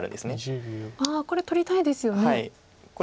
ああこれ取りたいですよね。